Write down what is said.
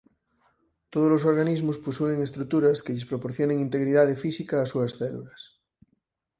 Todos os organismos posúen estruturas que lles proporcionan integridade física ás súas células.